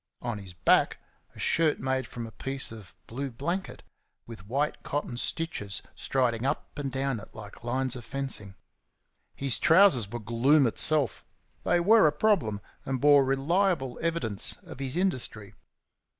On his back a shirt made from a piece of blue blanket, with white cotton stitches striding up and down it like lines of fencing. His trousers were gloom itself; they were a problem, and bore reliable evidence of his industry.